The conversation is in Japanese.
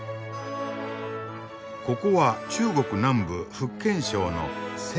ここは中国南部・福建省の泉州。